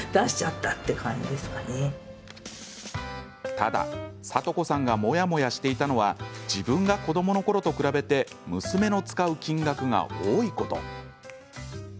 ただ、聡子さんがモヤモヤしていたのは自分が子どものころと比べて娘の使う金額が多いこと。